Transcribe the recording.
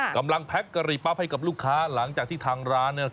แพ็กกะหรี่ปั๊บให้กับลูกค้าหลังจากที่ทางร้าน